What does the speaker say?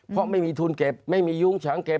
เพราะไม่มีทุนเก็บไม่มียุ้งฉางเก็บ